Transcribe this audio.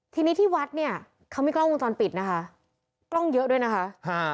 ทีนี้ที่วัดเนี่ยเขามีกล้องวงจรปิดนะคะกล้องเยอะด้วยนะคะ